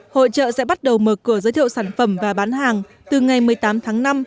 hội trợ sẽ bắt đầu mở cửa giới thiệu sản phẩm và bán hàng từ ngày một mươi tám tháng năm